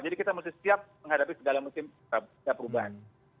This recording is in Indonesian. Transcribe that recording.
jadi kita mesti siap menghadapi segala musim perubahan